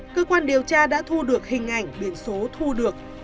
cơ quan điều tra đã thu được hình ảnh biển số thu được